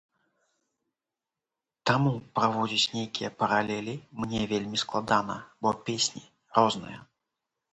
Таму праводзіць нейкія паралелі мне вельмі складана, бо песні розныя.